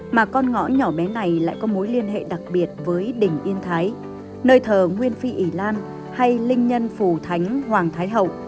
mà con ngõ nhỏ bé này lại có mối liên hệ đặc biệt với đỉnh yên thái nơi thờ nguyên phi ý lan hay linh nhân phù thánh hoàng thái hậu